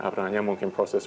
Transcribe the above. dan mungkin proses